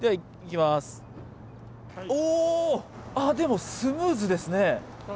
おー、あっ、でもスムーズですね。